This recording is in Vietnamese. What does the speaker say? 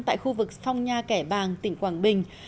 tại khu vực phong nha kẻ bàng tỉnh quảng bình